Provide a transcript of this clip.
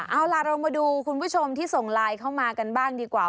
เอาล่ะเรามาดูคุณผู้ชมที่ส่งไลน์เข้ามากันบ้างดีกว่า